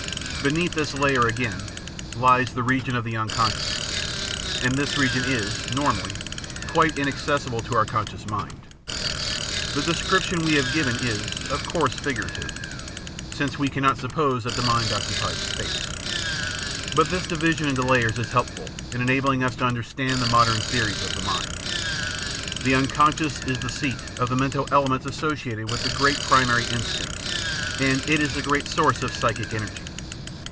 Beneath this layer, again, lies the region of the unconscious, and this region is, normally, quite inaccessible to oiu* conscious mind. The description we have given is, of course, figurative, since we. cannot suppose that the mind occupies space. But this division into layers is helpful in enabling us to understand the modem theories of the mind. The unconscious is the seat of the mental elements associated with the great primary instincts, and it is the great source of psychic energy.